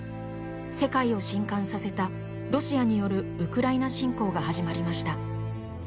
世界を震撼させたロシアによるウクライナ侵攻が始まりました。